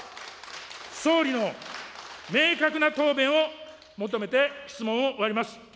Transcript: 総理の明確な答弁を求めて質問を終わります。